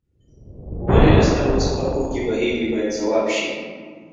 ولې له سترګو څخه اوښکې بهیږي باید ځواب شي.